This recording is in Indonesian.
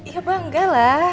ya bangga lah